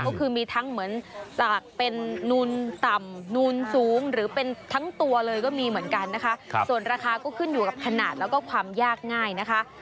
ก็คือมีทั้งเหมือนจากเป็นนูนต่ำนูนสูงหรือเป็นทั้งตัวเลยก็มีเหมือนกันนะคะส่วนราคาก็ขึ้นอยู่กับขนาดแล้วก็ความยากง่ายนะคะ